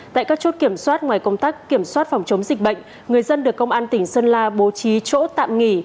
tại các chốt kiểm soát ngoài công tác kiểm soát phòng chống dịch bệnh người dân được công an tỉnh sơn la bố trí chỗ tạm nghỉ